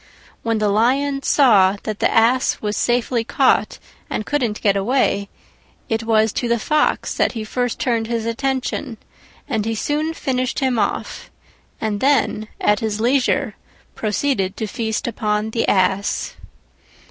When the Lion saw that the Ass was safely caught and couldn't get away, it was to the Fox that he first turned his attention, and he soon finished him off, and then at his leisure proceeded to feast upon the Ass.